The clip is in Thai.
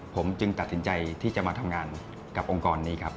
ผมจึงตัดสินใจที่จะมาทำงานกับองค์กรนี้ครับ